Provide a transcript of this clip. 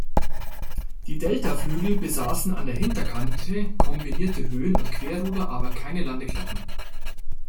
Die Deltaflügel besaßen an der Hinterkante kombinierte Höhen- und Querruder, aber keine Landeklappen.